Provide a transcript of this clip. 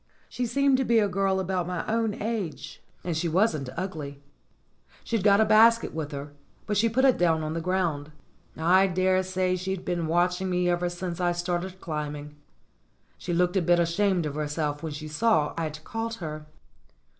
She seemed to be a girl about my own age, and she wasn't ugly. She'd got a basket with her, but she put it down on the ground. I daresay she'd been watching me ever since I started climbing. She looked a bit ashamed of herself when she saw I'd caught her.